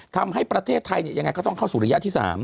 ทำให้ประเทศไทยยังไงก็ต้องเข้าสู่ระยะที่๓